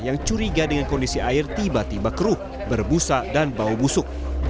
yang curiga dengan kondisi air tiba tiba keruh berbusa dan bau busuk